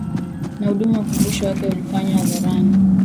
Na huduma ya ukumbusho wake uliofanywa hadharani